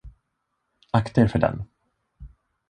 Akta er för den!